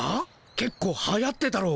けっこうはやってたろ。